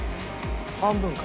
半分か。